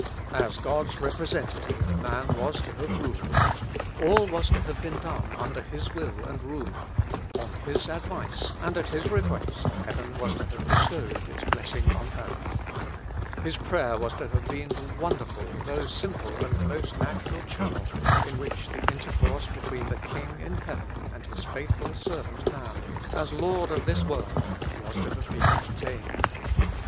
As God's representative, man was to have ruled ; all was to have been done under his will and rule ; on his advice and at his request heaven was to have bestowed its blessing on 144 With Christ in the School of Prayer. earth. His praj er was to have been the wonderful, though simple and most natural channel, in which the intercourse between the King in heaven and His faithful servant man, as lord of this world, was to have been maintained.